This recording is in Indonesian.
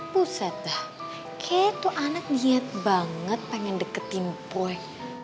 puset dah kayaknya tuh anak diet banget pengen deketin boy